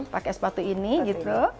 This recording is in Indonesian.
pakai sepatu ini gitu